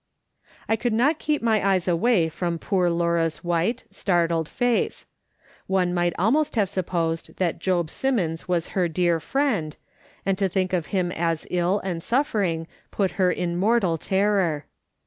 ''THEY UP AND CALLED HIM A EANATIC" 283 I could not keep my eyes away from poor Laura's white, startled face ; one might almost have supposed that Job Simmons was her dear friend, and to think of him as ill and suffering put her in mortal terror.